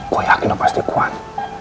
gue yakin lo pasti kuat